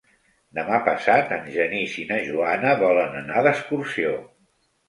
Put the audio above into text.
Demà passat en Genís i na Joana volen anar d'excursió.